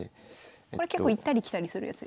これ結構行ったり来たりするやつですよね？